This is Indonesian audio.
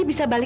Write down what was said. aku mau pergi